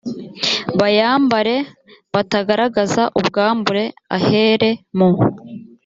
bayambare batagaragaza ubwambure ahere mu